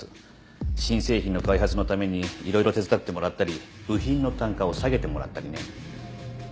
新製品の開発のために色々手伝ってもらったり部品の単価を下げてもらったりね。